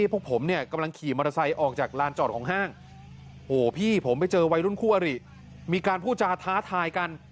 พวกผมเนี่ยกำลังขี่มอเตอร์ไซค์ออกจากลานจอดของห้างโหพี่ผมไปเจอวัยรุ่นคู่อริมีการพูดจาท้าทายกัน